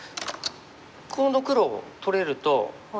今度黒取れると。